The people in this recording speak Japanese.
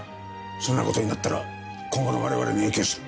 そんな事になったら今後の我々に影響する。